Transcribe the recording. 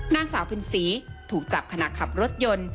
นางสาวพินศรีถูกจับขณะขับรถยนต์